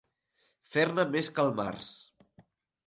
Fer-ne més que el març.